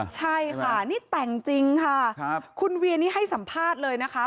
ใช่ค่ะนี่แต่งจริงค่ะคุณเวียนี่ให้สัมภาษณ์เลยนะคะ